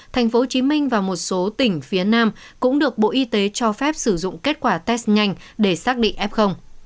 thành phố hồ chí minh và một số tỉnh phía nam cũng được bộ y tế cho phép sử dụng kết quả test nhanh để xác định f